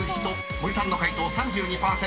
［森さんの解答３２％。